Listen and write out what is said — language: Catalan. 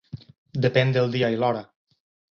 Depèn del dia i l'hora.